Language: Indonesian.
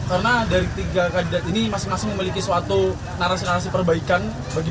karena dari tiga kandidat ini masing masing memiliki suatu narasi narasi perbaikan bagi bangsa ini di kemudian hari gitu